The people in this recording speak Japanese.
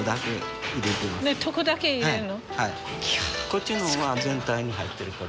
こっちの方は全体に入ってる。